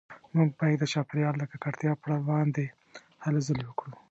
موږ باید د چاپیریال د ککړتیا پروړاندې هلې ځلې وکړو